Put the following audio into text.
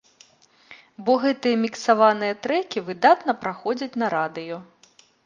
Бо гэтыя міксаваныя трэкі выдатна праходзяць на радыё.